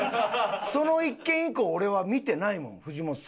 その一件以降俺は見てないもん藤本さんの。